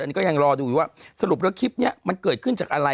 อันนี้ก็ยังรอดูอยู่ว่าสรุปแล้วคลิปนี้มันเกิดขึ้นจากอะไร